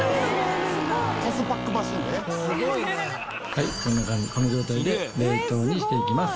はいこの状態で冷凍にしていきます。